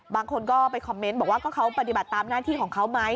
บางคนก็ไปคอมเมนต์บอกว่าก็เขาปฏิบัติตามหน้าที่ของเขาไหม